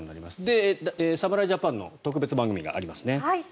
で、侍ジャパンの特別番組がありますね。